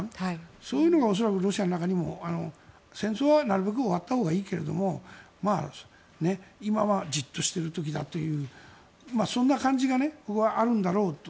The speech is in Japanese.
そういうのが恐らく、ロシアの中にも戦争はなるべく終わったほうがいいけれども今はじっとしてる時だというそんな感じが僕はあるんだろうと。